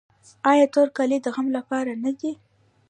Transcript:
آیا تور کالي د غم لپاره نه دي؟